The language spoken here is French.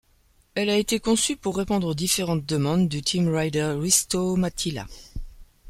Elle a été conçue pour répondre aux différentes demandes du Team rider Risto Mattila.